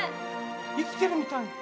生きてるみたい。